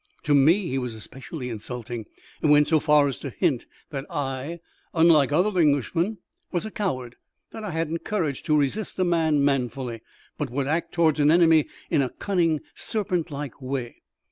To me he was especially insulting, and went so far as to hint that I, unlike other Englishmen, was a coward; that I hadn't courage to resist a man manfully, but would act towards an enemy in a cunning, serpent like way.